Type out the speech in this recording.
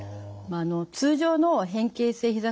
通常の変形性ひざ